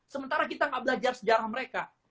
sementara kita nggak belajar sejarah mereka